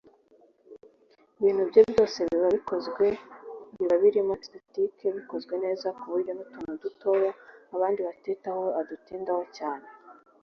Ibintu bye byose biba birimo (esthetic) bikozwe neza ku buryo n’utuntu dutoya abandi batitaho we adutindaho cyane